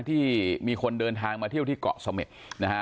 ที่มีคนเดินทางมาเที่ยวที่เกาะเสม็ดนะฮะ